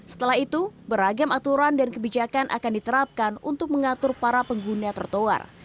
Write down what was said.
setelah itu beragam aturan dan kebijakan akan diterapkan untuk mengatur para pengguna trotoar